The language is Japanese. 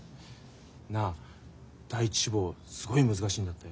なあ第一志望すごい難しいんだって？